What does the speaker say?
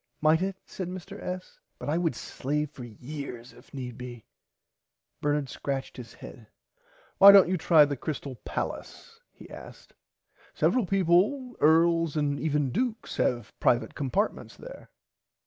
Might it said Mr S. but I would slave for years if need be. Bernard scratched his head. Why dont you try the Crystal Pallace he asked several peaple Earls and even dukes have privite compartments there.